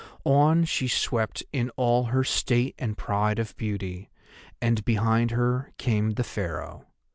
On she swept in all her state and pride of beauty, and behind her came the Pharaoh.